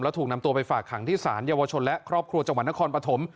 ถูกนำตัวไปฝากขังที่ศาลเยาวชนและครอบครัวจังหวัดนครปฐม